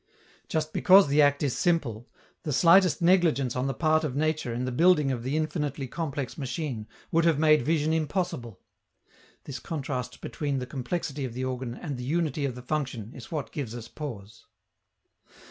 Just because the act is simple, the slightest negligence on the part of nature in the building of the infinitely complex machine would have made vision impossible. This contrast between the complexity of the organ and the unity of the function is what gives us pause.